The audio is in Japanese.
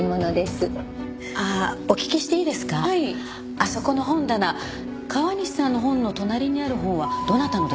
あそこの本棚川西さんの本の隣にある本はどなたのですか？